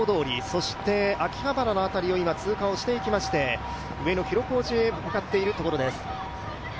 そして秋葉原の辺りを通過していきまして、上野広小路へ向かっているところです。